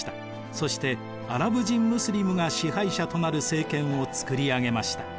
そしてアラブ人ムスリムが支配者となる政権を作り上げました。